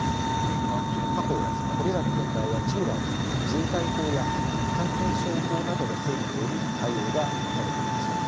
他方これらの問題は従来自衛隊法や感染症法などの整備により対応がなされてきました。